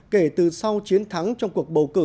kể từ sau chiến thắng trong cuộc bầu cử